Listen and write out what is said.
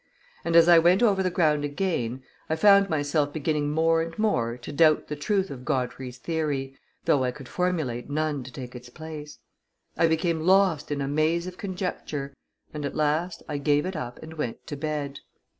And, as I went over the ground again, I found myself beginning more and more to doubt the truth of Godfrey's theory, though I could formulate none to take its place; I became lost in a maze of conjecture, and, at last, I gave it up and went to bed.